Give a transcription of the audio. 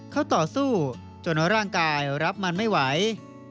เขาต่อสู้จนร่างกายรับมันไม่ไหว